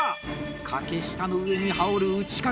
掛下の上に羽織る打掛。